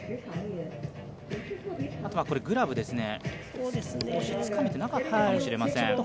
あとはグラブですね、少しつかめてなかったかもしれません。